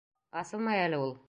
Асылмай әле ул...